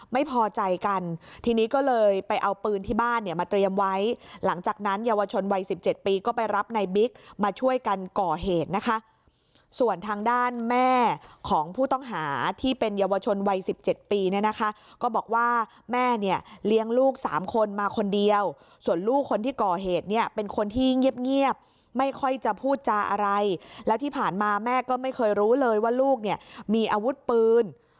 ไม่พอใจกันทีนี้ก็เลยไปเอาปืนที่บ้านเนี่ยมาเตรียมไว้หลังจากนั้นเยาวชนวัยสิบเจ็ดปีก็ไปรับในบิ๊กมาช่วยกันก่อเหตุนะคะส่วนทางด้านแม่ของผู้ต้องหาที่เป็นเยาวชนวัยสิบเจ็ดปีเนี่ยนะคะก็บอกว่าแม่เนี่ยเลี้ยงลูกสามคนมาคนเดียวส่วนลูกคนที่ก่อเหตุเนี่ยเป็นคนที่เงียบไม่ค่อยจะพูดจาอะไรแล้วที่ผ่านมาแม่ก็ไม่เคยรู้เลยว่าลูกเนี่ยมีอาวุธปืน